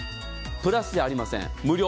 プラスじゃありません、無料。